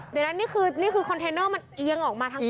เดี๋ยวนะนี่คือนี่คือคอนเทนเนอร์มันเอียงออกมาทางขวา